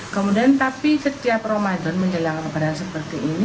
kemudian tapi setiap ramadan menjelang lebaran seperti ini